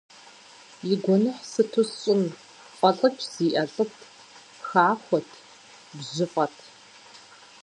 И гуэныхь сыту сщӏын, фӏэлӏыкӏ зиӏэ лӏыт, хахуэт, бжьыфӏэт.